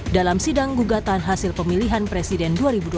dalam sidang gugatan hasil pemilihan presiden dua ribu dua puluh